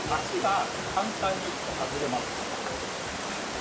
足が簡単に外れます。